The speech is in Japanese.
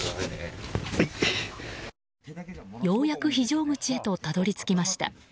ようやく非常口へとたどり着きました。